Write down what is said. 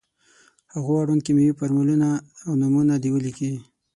هغو اړوند کیمیاوي فورمولونه او نومونه دې ولیکي.